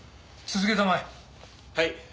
はい。